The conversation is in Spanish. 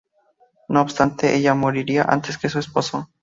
No obstante, ella moriría antes que su esposo.